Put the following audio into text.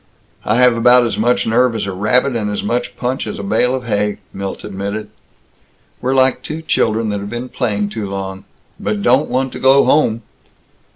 "I have about as much nerve as a rabbit, and as much punch as a bale of hay," Milt admitted. "We're like two children that have been playing too long." "But don't want to go home!"